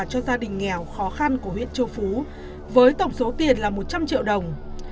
cho gia đình nghèo khó khăn của huyện châu phú với tổng số tiền là một trăm linh triệu đồng